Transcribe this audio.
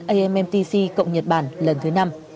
ammtc cộng nhật bản lần thứ năm